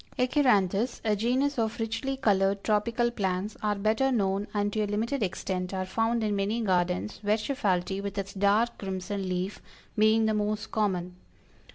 ACHYRANTHES, a genus of richly colored tropical plants, are better known, and to a limited extent are found in many gardens, Verschaffelti, with its dark crimson leaf, being the most common.